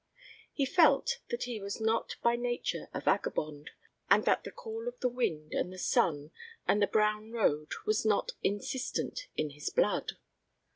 He felt that he was not by nature a vagabond, and that the call of the wind and the sun and the brown road was not insistent in his blood.